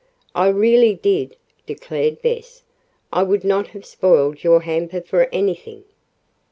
"I really did," declared Bess. "I would not have spoiled your hamper for anything."